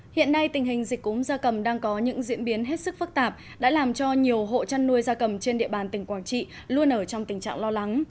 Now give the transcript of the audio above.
hiện nay tình hình dịch cúm gia cầm đang có những diễn biến hết sức phức tạp đã làm cho nhiều hộ chăn nuôi da cầm trên địa bàn tỉnh quảng trị luôn ở trong tình trạng lo lắng